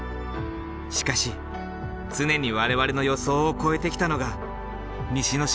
しかし常に我々の予想を超えてきたのが西之島だ。